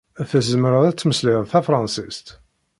Tzemreḍ ad tmeslayeḍ tafṛansist?